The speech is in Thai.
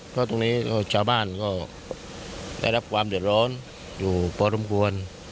เพราะตรงนี้ชาวบ้านก็ได้รับความเดือดร้อนอยู่พอสมควร